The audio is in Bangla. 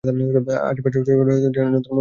আশারের আঁকা ছবিগুলো ছিল যেন তার মনেরই প্রতিরূপ।